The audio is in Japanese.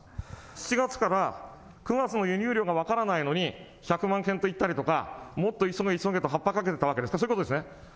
７月から９月の輸入量が分からないのに、１００万件と言ったりとか、もっと急げ急げとハッパかけてたわけですか？